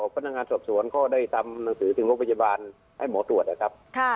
พนักงานสอบสวนก็ได้ทำหนังสือถึงโรงพยาบาลให้หมอตรวจนะครับ